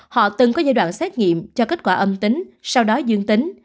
họ từng có giai đoạn xét nghiệm cho kết quả âm tính sau đó dương tính